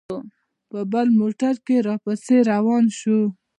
په بل موټر کې را پسې روان شو.